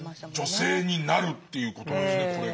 女性になるっていうことですねこれが。